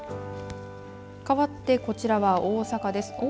かわってこちらは大阪です。